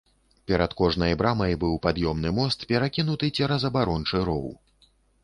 Перад кожнай брамай быў пад'ёмны мост, перакінуты цераз абарончы роў.